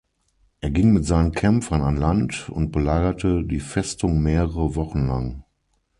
Er ging mit seinen Kämpfern an Land und belagerte die Festung mehrere Wochen lang.